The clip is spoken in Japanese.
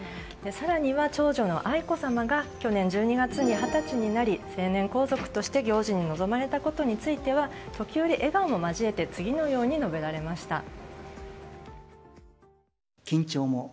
更には、長女の愛子さまが去年１２月に二十歳になり、成年皇族として行事に臨まれたことについては時折、笑顔も交えて次のように述べられました。